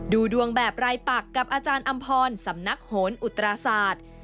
ดูดวงแบบรายปักกับอาจารย์อำพรสำนักโหนอุตราศาสตร์